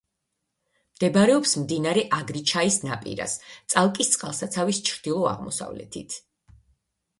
მდებარეობს მდინარე აგრიჩაის ნაპირას, წალკის წყალსაცავის ჩრდილო-აღმოსავლეთით.